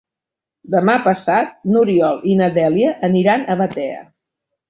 Demà passat n'Oriol i na Dèlia aniran a Batea.